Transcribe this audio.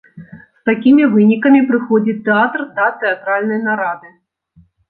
З такімі вынікамі прыходзіць тэатр да тэатральнай нарады.